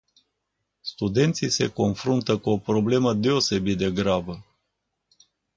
Studenții se confruntă cu o problemă deosebit de gravă.